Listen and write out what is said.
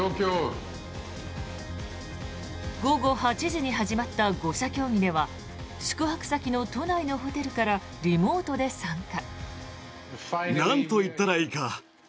午後８時に始まった５者協議では宿泊先の都内のホテルからリモートで参加。